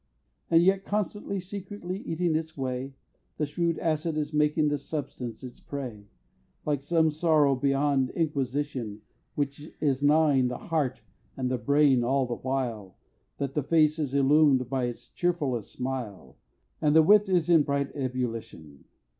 And yet constantly secretly eating its way, The shrewd acid is making the substance its prey, Like some sorrow beyond inquisition, Which is gnawing the heart and the brain all the while That the face is illumed by its cheerfullest smile, And the wit is in bright ebullition.